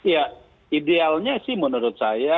ya idealnya sih menurut saya